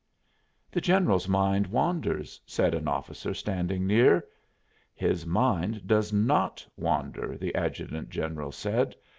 "The general's mind wanders," said an officer standing near. "His mind does not wander," the adjutant general said.